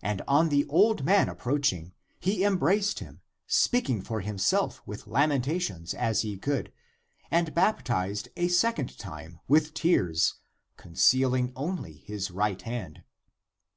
And on the old man approaching, he em braced him, speaking for himself with lamentations as he could, and baptized a second time with tears, concealing only his right hand.